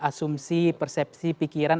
asumsi persepsi pikiran